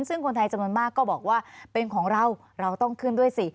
ซึ่งคนไทยจำนวนมากก็บอกว่าเป็นของเราเราต้องขึ้นด้วยสิ